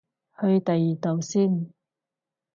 去第二度先